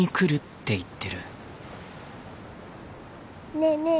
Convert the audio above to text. ねえねえ